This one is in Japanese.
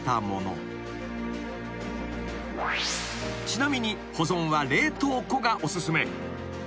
［ちなみに保存は冷凍庫がお薦め］